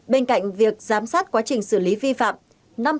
bên cạnh việc giám sát quá trình xử lý vi phạm